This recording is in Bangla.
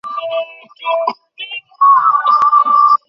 তুই অন্যদের মতো না হয়ে নিজে স্বাবলম্বী হতে চেয়েছিলি।